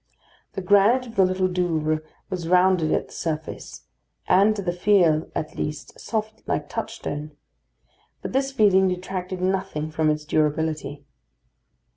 The granite of the Little Douvre was rounded at the surface, and, to the feel at least, soft like touchstone; but this feeling detracted nothing from its durability.